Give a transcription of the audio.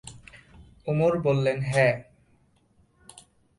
উমর বললেন, হ্যাঁ।